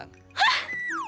kamu harus cari kerjaan